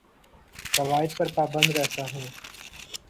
قوائد پر پابند رہتا ہوں